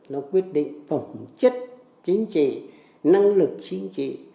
nó quyết định phẩm chất chính trị năng lực chính trị